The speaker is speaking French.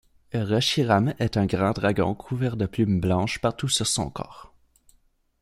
Reshiram est un grand dragon couvert de plumes blanches partout sur son corps.